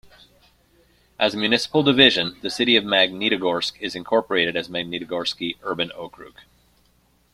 As a municipal division, the City of Magnitogorsk is incorporated as Magnitogorsky Urban Okrug.